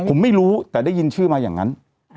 ผมไม่รู้แต่ได้ยินชื่อมาอย่างนั้น